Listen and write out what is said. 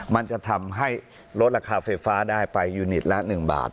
มันจะทำให้ลดราคาไฟฟ้าได้ไปยูนิตละ๑บาท